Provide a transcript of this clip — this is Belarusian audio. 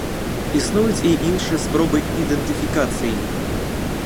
Існуюць і іншыя спробы ідэнтыфікацыі.